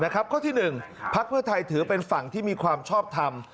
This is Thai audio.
ข้อที่๑พักเพื่อไทยถือเป็นฝั่งที่มีความชอบทำ